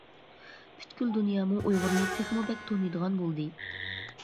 پۈتكۈل دۇنيامۇ ئۇيغۇرنى تېخىمۇ بەك تونۇيدىغان بولدى.